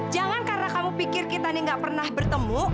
jangan karena kamu pikir kita nih gak pernah bertemu